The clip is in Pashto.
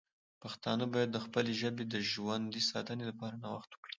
پښتانه باید د خپلې ژبې د ژوند ساتنې لپاره نوښت وکړي.